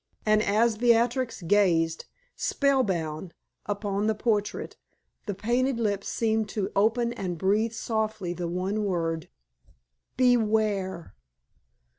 And as Beatrix gazed, spell bound, upon the portrait, the painted lips seemed to open and breathe softly the one word: "Beware!"